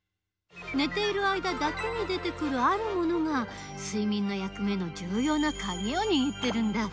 寝ている間だけに出てくるあるものが睡眠の役目のじゅうようなカギをにぎってるんだ。